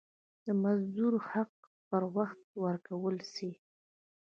د مزدور حق دي پر وخت ورکول سي.